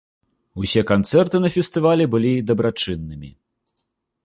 Усе канцэрты на фестывалі былі дабрачыннымі.